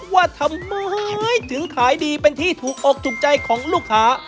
ว่าทำไมถึงขายดีเป็นที่ถูกอกถูกใจของลูกค้า